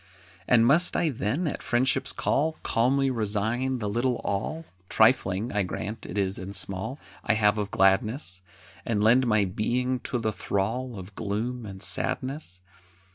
And must I then, at Friendship's call, Calmly resign the little all (Trifling, I grant, it is and small) I have of gladness, And lend my being to the thrall Of gloom and sadness?